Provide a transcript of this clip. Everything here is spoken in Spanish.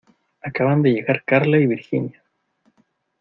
Acaban de llegar Carla y Virginia.